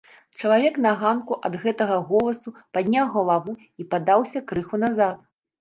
Чалавек на ганку ад гэтага голасу падняў галаву і падаўся крыху назад.